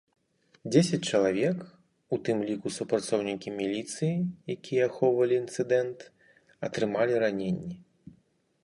Дзесяць чалавек, у тым ліку супрацоўнікі міліцыі, якія ахоўвалі інцыдэнт, атрымалі раненні.